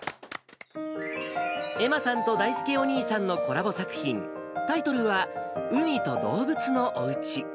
愛茉さんとだいすけお兄さんのコラボ作品、タイトルは、海と動物のお家。